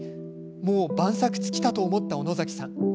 もう万策尽きたと思った小野崎さん。